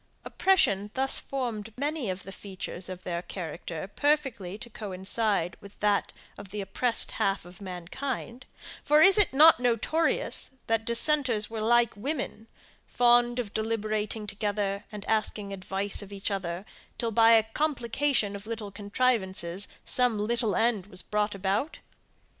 Oppression thus formed many of the features of their character perfectly to coincide with that of the oppressed half of mankind; for is it not notorious, that dissenters were like women, fond of deliberating together, and asking advice of each other, till by a complication of little contrivances, some little end was brought about?